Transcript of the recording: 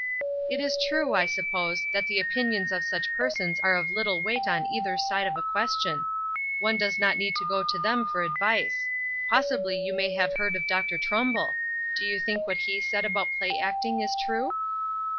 "It is true, I suppose, that the opinions of such persons are of little weight on either side of a question. One does not need to go to them for advice. Possibly you may have heard of Dr. Trumbull. Do you think what he said about play acting is true?"